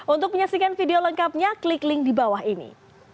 untuk menyaksikan video lengkapnya klik link di bawah ini